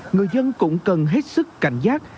người dân cũng cần hết sức cảnh giác